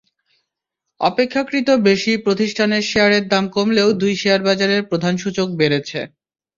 অপেক্ষাকৃত বেশি প্রতিষ্ঠানের শেয়ারের দাম কমলেও দুই শেয়ারবাজারের প্রধান সূচক বেড়েছে।